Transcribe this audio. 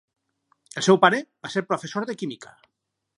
El seu pare va ser professor de química.